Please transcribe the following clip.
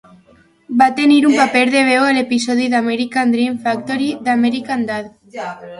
Va tenir un paper de veu a l'episodi d'"American Dream Factory" d'"American Dad!".